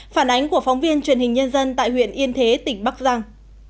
phản ánh của phóng viên truyền hình nhân dân tại huyện yên thế tỉnh bắc giang